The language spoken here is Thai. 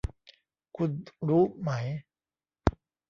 คุณรู้ไหม